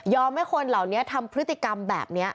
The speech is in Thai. ให้คนเหล่านี้ทำพฤติกรรมแบบนี้